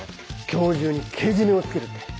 「今日中にケジメをつける」って。